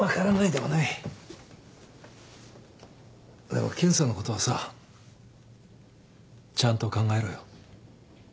でも検査のことはさちゃんと考えろよ。